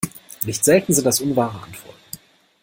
Nicht selten sind das unwahre Antworten.